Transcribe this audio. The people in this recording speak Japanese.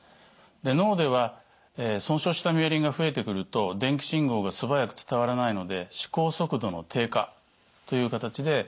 脳では損傷したミエリンが増えてくると電気信号が素早く伝わらないので思考速度の低下という形で症状が出ます。